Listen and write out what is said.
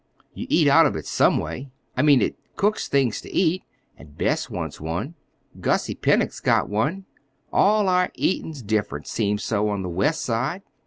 You eat out of it, some way—I mean, it cooks things ter eat; an' Bess wants one. Gussie Pennock's got one. all our eatin's different, 'seems so, on the West Side.